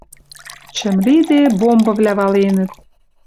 Чӹм лиде, бомбывлӓ валенӹт.